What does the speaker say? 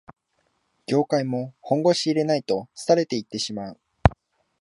業界も本腰入れないと廃れていってしまう